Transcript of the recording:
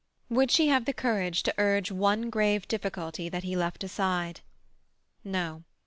Would she have the courage to urge one grave difficulty that he left aside? No.